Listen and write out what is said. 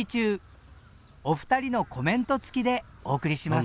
お二人のコメント付きでお送りします。